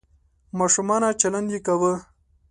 ماشومانه چلند یې کاوه .